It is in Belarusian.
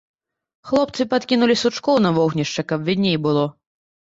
Хлопцы падкінулі сучкоў на вогнішча, каб відней было.